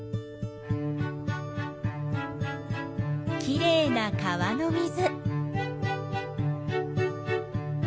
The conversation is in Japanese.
きれいな川の水。